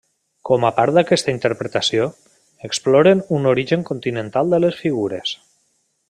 Com a part d'aquesta interpretació, exploren un origen continental de les figures.